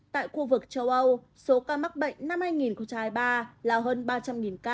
tại khu vực châu âu số ca mắc bệnh năm con trai ba là hơn ba trăm linh ca